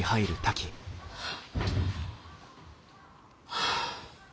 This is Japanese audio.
はあ。